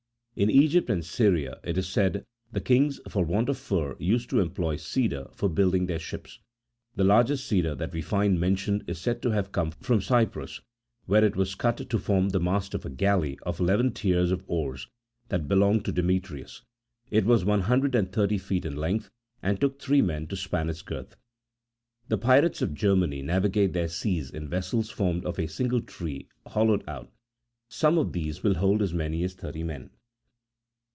In Egypt and Syria, it is said, the kings, for want of fir, used to employ cedar22 for building their ships : the largest cedar that we find mentioned is said to have come from Cyprus, where it was cut to form the mast of a galley of eleven tiers of oars that be longed to Demetrius : it was one hundred and thirty feet in length, and took three men to span its girth. The pirates of Germany navigate their seas in vessels formed of a single tree hollowed33 out : some of these will hold as many as thirty men.